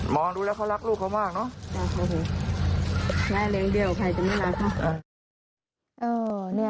มองดูแล้วเขารักลูกเขามากเนอะ